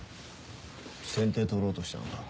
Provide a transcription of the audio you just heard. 先手取ろうとしたのか？